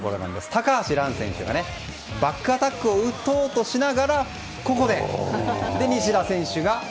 高橋藍選手がバックアタックを打とうとしながらここで、西田選手が。